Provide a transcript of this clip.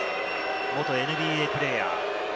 元ＮＢＡプレーヤー。